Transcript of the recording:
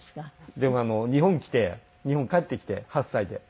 でも日本来て日本帰ってきて８歳で。